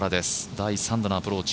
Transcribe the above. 第３打のアプローチ。